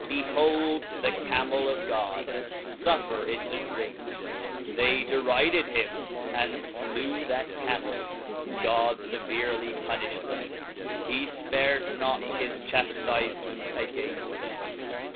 Behold the Camel of God, fuffer it to drink; they deri ded him, and flew that Camel, God feverely puniflied them, he Ipared not his chaftifement againft them.